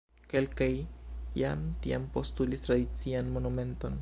Kelkaj jam tiam postulis tradician monumenton.